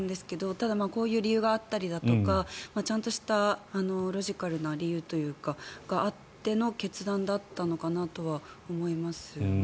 ただ、こういう理由があったりとかちゃんとしたロジカルな理由があっての決断だったのかなとは思いますよね。